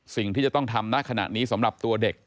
สิ่งที่จะต้องทำณขณะนี้สำหรับตัวเด็ก